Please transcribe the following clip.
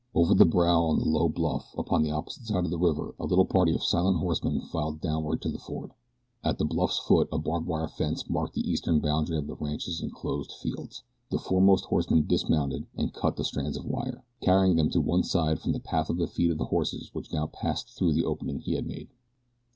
Over the brow of the low bluff upon the opposite side of the river a little party of silent horsemen filed downward to the ford. At the bluff's foot a barbed wire fence marked the eastern boundary of the ranch's enclosed fields. The foremost horseman dismounted and cut the strands of wire, carrying them to one side from the path of the feet of the horses which now passed through the opening he had made.